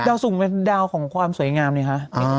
ดาวสูงเป็นดาวของความสวยงามเดี๋ยวค่ะ